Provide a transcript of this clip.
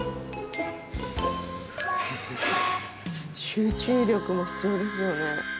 集中力も必要ですよね。